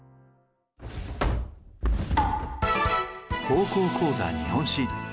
「高校講座日本史」。